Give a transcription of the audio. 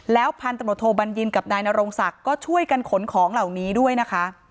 พันธุ์ตำรวจโทบัญญินกับนายนรงศักดิ์ก็ช่วยกันขนของเหล่านี้ด้วยนะคะ